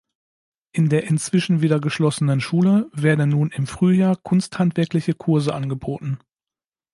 In der inzwischen wieder geschlossenen Schule werden nun im Frühjahr kunsthandwerkliche Kurse angeboten.